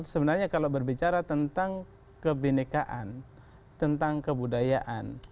sebenarnya kalau berbicara tentang kebenekaan tentang kebudayaan